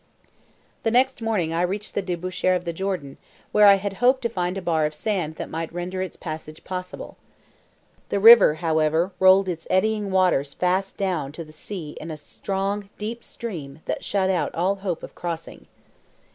The next morning I reached the débouchure of the Jordan, where I had hoped to find a bar of sand that might render its passage possible. The river, however, rolled its eddying waters fast down to the "sea" in a strong, deep stream that shut out all hope of crossing.